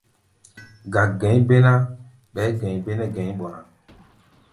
Gák-gɛ̧i̧ bé ná, ɓɛɛ́ gɛ̧i̧ bé nɛ́ gɛ̧i̧ ɓɔ ná.